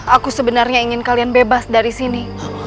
aku sebenarnya ingin kalian bebas dari sini